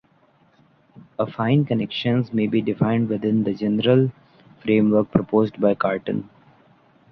Affine connections may be defined within the general framework proposed by Cartan.